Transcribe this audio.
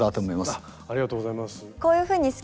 ありがとうございます。